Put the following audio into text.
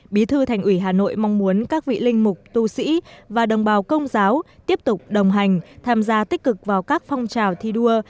bí thư thành ủy hà nội mong muốn các vị linh mục tu sĩ và đồng bào công giáo tiếp tục đồng hành tham gia tích cực vào các phong trào thi đua